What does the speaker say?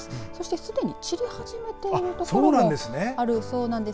すでに散り始めている所もあるそうです。